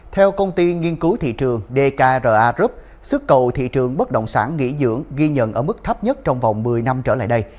theo công ty nghiên cứu thị trường dkra group sức cầu thị trường bất động sản nghỉ dưỡng ghi nhận ở mức thấp nhất trong vòng một mươi năm trở lại đây